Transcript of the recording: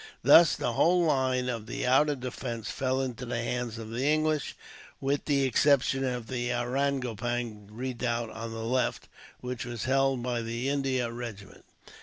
Thus the whole line of the outer defence fell into the hands of the English, with the exception of the Ariangopang redoubt on the left, which was held by the India regiment.